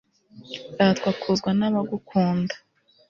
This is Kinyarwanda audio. ratwa kuzwa n'abagukunda